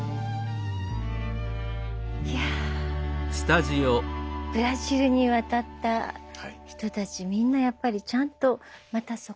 いやぁブラジルに渡った人たちみんなやっぱりちゃんとまたそこで。